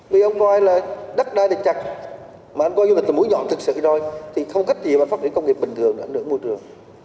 vì ông coi là đắt đai là chặt mà anh coi như là từ mũi nhọn thực sự rồi thì không cách gì mà phát triển công nghiệp bình thường ảnh hưởng môi trường